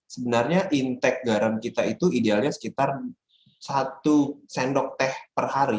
sebenarnya intake garam kita itu idealnya sekitar satu sendok teh per hari